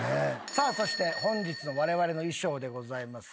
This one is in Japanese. さあそして本日のわれわれの衣装でございます。